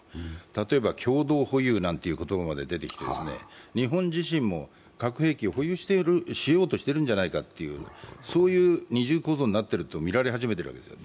例えば共同保有なんて言葉も出てきて、日本自身も核兵器を保有しようとしているんじゃないかというそういう二重構造になってると見られ始めているわけですよ。